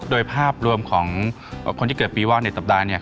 โดยภาพรวมของคนที่เกิดปีว่าวในสัปดาห์